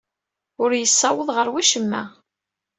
Ur yessawaḍ ɣer wacemma.